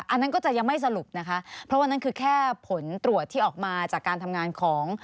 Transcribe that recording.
อันนั้นก็จะยังไม่สรุปนะคะเพราะว่านั่นคือแค่ผลตรวจที่ออกมาจากการทำงานของ